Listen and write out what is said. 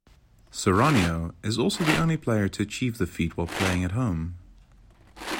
Soriano is also the only player to achieve the feat while playing at home.